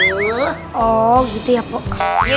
oh gitu ya pok